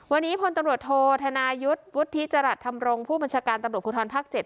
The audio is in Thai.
วันนี้พลตำรวจโทษธนายุทธ์วุฒิจรัสธรรมรงค์ผู้บัญชาการตำรวจภูทรภาค๗